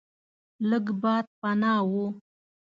لږ باد پناه و.